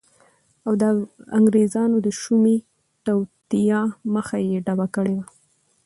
او د انګریزانو د شومی توطیه مخه یی ډبه کړی وه